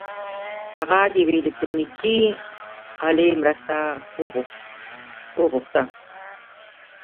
هغه د یوې الکټرونیکي الې مرسته وغوښته